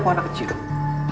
aku mau ke rumah